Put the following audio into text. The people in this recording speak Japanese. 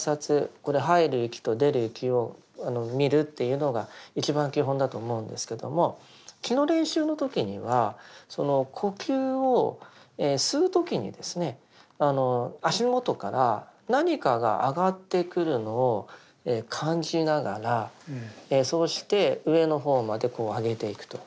これ入る息と出る息を見るというのが一番基本だと思うんですけども気の練習の時にはその呼吸を吸う時にですね足元から何かが上がってくるのを感じながらそうして上の方までこう上げていくと。